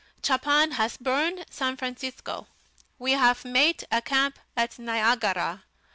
Chapan hass burn San Francisco. We haf mate a camp at Niagara.